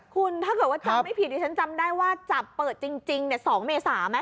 คุณถ้าเกิดว่าจำไม่ผิดดิฉันจำได้ว่าจับเปิดจริง๒เมษาไหม